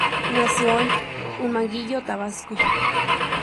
Nació en Huimanguillo, Tabasco.